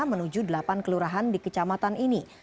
menuju delapan kelurahan di kecamatan ini